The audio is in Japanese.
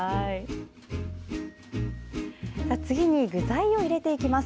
次に具材を入れていきます。